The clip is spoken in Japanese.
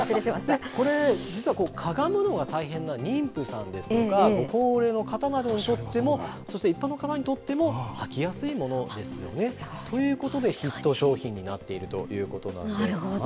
これ、実はかがむのが大変な妊婦さんですとか、ご高齢の方などにとっても、そして一般の方にとっても、履きやすいものですよね、ということで、ヒット商品になっているということなんです。